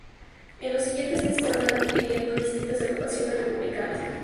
En los siguientes meses se fueron adhiriendo distintas agrupaciones republicanas.